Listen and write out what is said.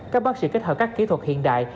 các bác sĩ kết hợp các kỹ thuật hiện đại